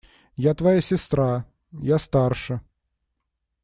Я твоя сестра… Я старше.